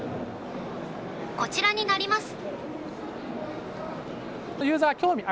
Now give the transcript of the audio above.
こちらになります。